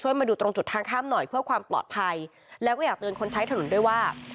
มาดูตรงจุดทางข้ามหน่อยเพื่อความปลอดภัยแล้วก็อยากเตือนคนใช้ถนนด้วยว่า